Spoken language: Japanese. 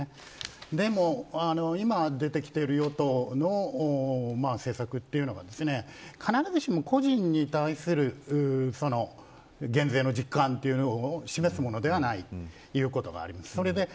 でも、今出てきている与党の政策というのが必ずしも個人に対する減税の実感というのを示すものではないということがあります。